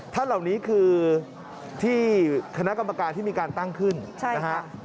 ท่านเหล่านี้คือที่คณะกรรมการที่มีการตั้งขึ้นนะฮะ